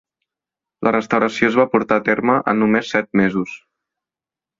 La restauració es va portar a terme en només set mesos.